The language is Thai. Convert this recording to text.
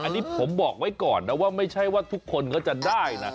อันนี้ผมบอกไว้ก่อนนะว่าไม่ใช่ว่าทุกคนก็จะได้นะ